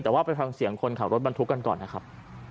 แต่ว่าไปฟังเสียงคนขับรถบรรทุกกันก่อนนะครับ